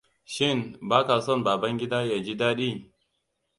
Shin baka son Babangida ya ji dadi?